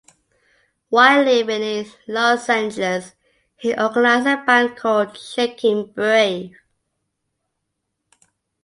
While living in Los Angeles, he organized a band called Shakin' Brave.